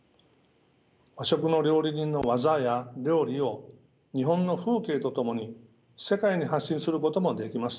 和食の料理人の技や料理を日本の風景と共に世界に発信することもできます。